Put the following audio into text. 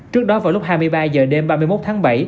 trước đó vào lúc hai mươi ba h đêm ba mươi một tháng bảy